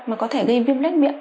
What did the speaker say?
mà có thể gây viêm lết miệng